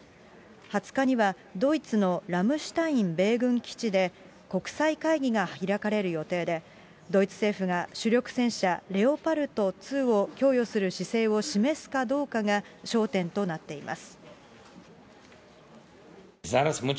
２０日にはドイツのラムシュタイン米軍基地で国際会議が開かれる予定で、ドイツ政府が主力戦車、レオパルト２を供与する姿勢を示すかどうかが焦点となっています。